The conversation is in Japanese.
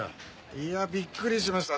いやびっくりしました。